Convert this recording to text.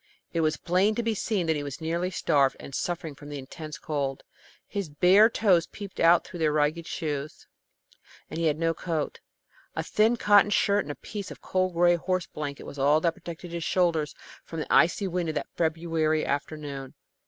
It was plain to be seen that he was nearly starved, and suffering from the intense cold. His bare toes peeped through their ragged shoes, and he had no coat. A thin cotton shirt and a piece of an old gray horse blanket was all that protected his shoulders from the icy wind of that February afternoon.